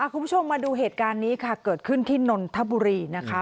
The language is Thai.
คุณผู้ชมมาดูเหตุการณ์นี้ค่ะเกิดขึ้นที่นนทบุรีนะคะ